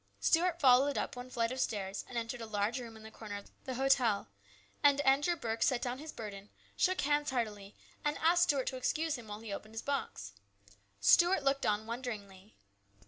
Stuart followed up one flight of stairs, and entered a large room in the corner of the hotel, and Andrew Burke set down his burden, shook hands heartily, and asked Stuart to excuse him while he opened his box. Stuart looked on wonderingly.